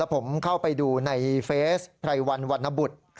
ผมเข้าไปดูในเฟสไพรวันวรรณบุตร